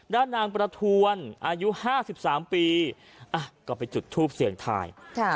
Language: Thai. ด้านนางประทวนอายุ๕๓ปีก็ไปจุดทูปเสี่ยงทาย